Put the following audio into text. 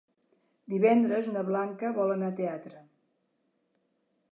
Divendres na Blanca vol anar al teatre.